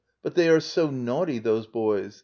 But they are so nau^ty, those boys.